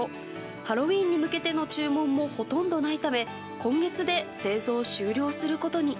ハロウィーンに向けての注文もほとんどないため今月で製造終了することに。